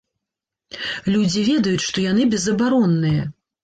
Людзі ведаюць, што яны безабаронныя.